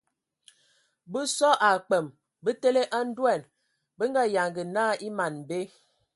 Bə soe a kpəm bətele a ndoan bə nga yanga na e man be.